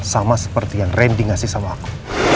sama seperti yang randy ngasih sama aku